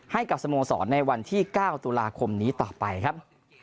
ให้กับสโมสรในวันที่๙ตุลาคมนี้ต่อไปครับ